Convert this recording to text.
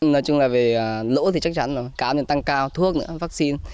nói chung là về lỗ thì chắc chắn là cao tăng cao thuốc vaccine